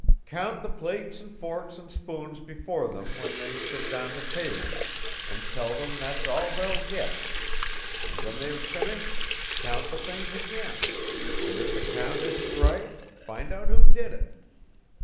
"Count the plates and forks and spoons before them when they sit down to table, and tell them that's all they'll get; and when they have finished, count the things again, and if the count isn't right, find out who did it.